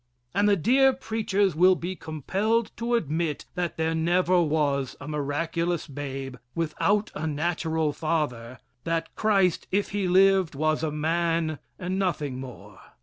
And the dear preachers will be compelled to admit that there never was a miraculous babe without a natural father, that Christ, if he lived, was a man and nothing more.